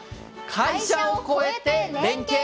「会社を超えて連携！